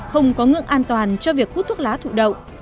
không có ngưỡng an toàn cho việc hút thuốc lá thụ động